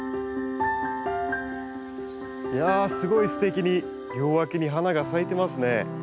いやあすごいすてきに両脇に花が咲いてますね。